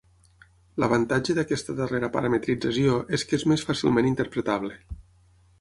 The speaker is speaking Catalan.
L'avantatge d'aquesta darrera parametrització és que és més fàcilment interpretable.